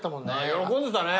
喜んでたね！